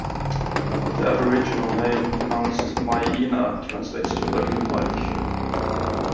The Aboriginal name, pronounced 'my-enna' translates to 'lagoon-like'.